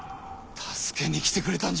助けに来てくれたんじゃ！